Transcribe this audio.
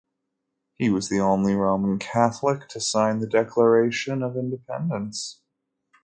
He was the only Roman Catholic to sign the Declaration of Independence.